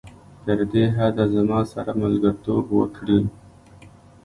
تر دې حده زما سره ملګرتوب وکړي.